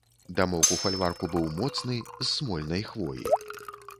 Дамок у фальварку быў моцны, з смольнай хвоі.